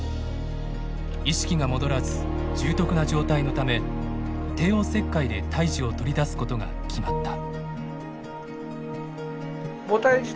意識が戻らず重篤な状態のため帝王切開で胎児を取り出すことが決まった。